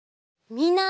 みんな。